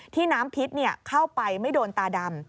น้ำพิษเข้าไปไม่โดนตาดำ